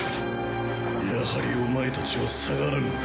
やはりお前たちは下がらぬか。